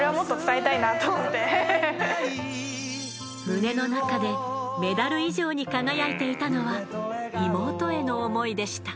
胸の中でメダル以上に輝いていたのは妹への想いでした。